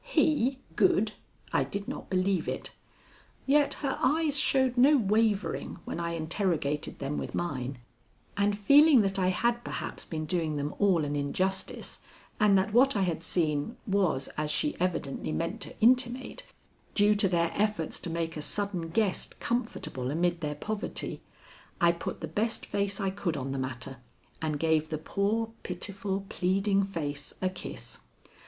He good? I did not believe it. Yet her eyes showed no wavering when I interrogated them with mine, and feeling that I had perhaps been doing them all an injustice, and that what I had seen was, as she evidently meant to intimate, due to their efforts to make a sudden guest comfortable amid their poverty, I put the best face I could on the matter and gave the poor, pitiful, pleading face a kiss.